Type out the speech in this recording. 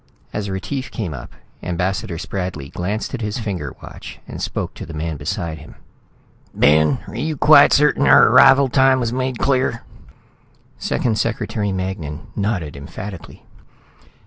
As Retief came up, Ambassador Spradley glanced at his finger watch and spoke to the man beside him. "Ben, are you quite certain our arrival time was made clear?" Second Secretary Magnan nodded emphatically.